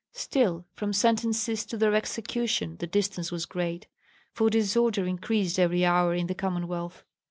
Still, from sentences to their execution the distance was great, for disorder increased every hour in the Commonwealth.